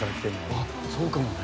あっそうかもね。